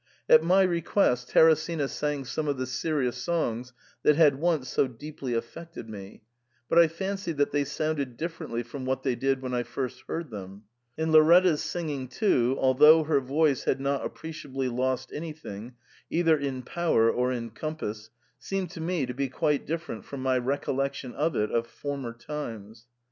At my request Teresina sang some of the serious songs that had once so deeply affected me, but I fancied that they sounded differently ufrom what they did when I first heard them ; and Lauretta's singing too, although her voice had not appreciably lost anything, either in power or in compass, seemed to me to be quite different from my recollection of it of former times.